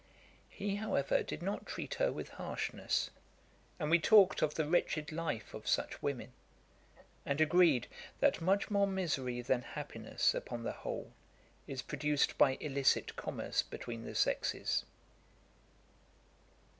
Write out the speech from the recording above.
He, however, did not treat her with harshness, and we talked of the wretched life of such women; and agreed, that much more misery than happiness, upon the whole, is produced by illicit commerce between the sexes.